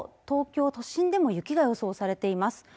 東京都心でも雪が予想されています